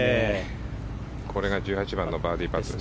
これが１８番のバーディーパット。